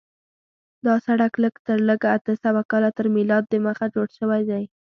دا سړک لږ تر لږه اته سوه کاله تر میلاد دمخه جوړ شوی دی.